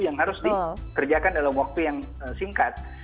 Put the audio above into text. yang harus dikerjakan dalam waktu yang singkat